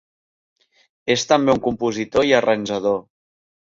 És també un compositor i arranjador.